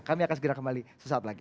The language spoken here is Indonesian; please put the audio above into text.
kami akan segera kembali sesaat lagi